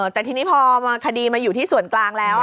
แต่ทีนี้พอคดีมาอยู่ที่ส่วนกลางแล้ว